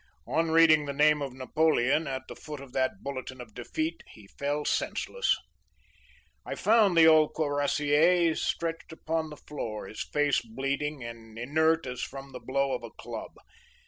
On reading the name of Napoleon at the foot of that bulletin of defeat he fell senseless."I found the old Cuirassier stretched upon the floor, his face bleeding and inert as from the blow of a club.